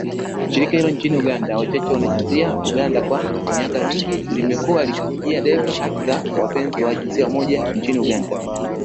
Shirika hilo nchini Uganda Wachache Wanajinsia, Uganda kwa miaka mingi limekuwa likipigia debe haki za wapenzi wa jinsia moja nchini Uganda.